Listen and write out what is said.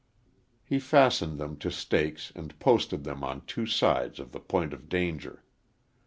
He fastened them to stakes and posted them on two sides of the point of danger.